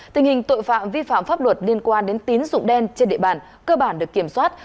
tình hình tội phạm vi phạm pháp luật liên quan đến tín dụng đen trên địa bàn cơ bản được kiểm soát